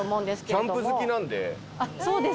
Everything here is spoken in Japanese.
キャンプ好きなので。